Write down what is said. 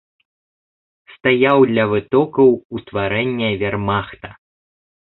Стаяў ля вытокаў утварэння вермахта.